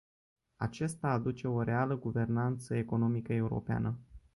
Acesta aduce o reală guvernanță economică europeană.